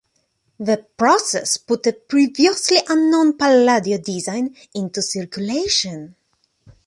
The process put a previously unknown Palladio design into circulation.